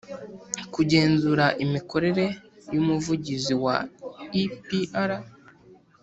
kugenzura imikorere y umuvugizi wa epr